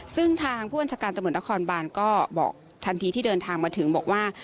ซึ่งทางผู้บัญชาการตำรวจนครบานก็บอกทันทีที่เดินทางมาถึงบอกว่า